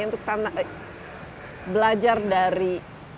ada naik kita punya transjakarta atau harus ada lahan parkir dan lain sebagainya